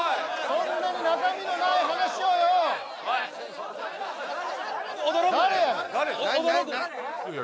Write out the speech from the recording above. そんなに中身のない話をよ驚くなよ